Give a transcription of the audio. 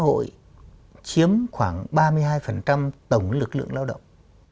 xã hội chiếm khoảng ba mươi hai tổng lực lượng lao động